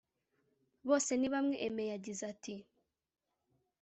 Bosenibamwe Aime yagize ati